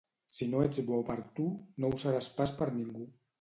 Si no ets bo per tu, no ho seràs pas per ningú.